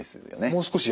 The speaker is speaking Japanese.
もう少し。